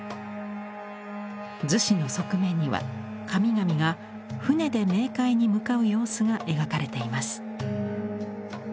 厨子の側面には神々が舟で冥界に向かう様子が描かれています。